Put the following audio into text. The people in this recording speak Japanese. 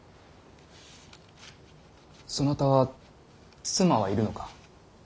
そなたは妻はいるのか。